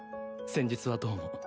先日はどうも。